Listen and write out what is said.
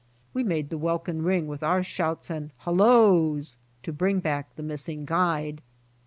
We made the welkin ring with our shouts and halloas to bring back the missing guide.